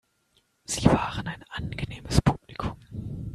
Sie waren ein angenehmes Publikum.